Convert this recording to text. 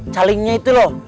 calingnya itu loh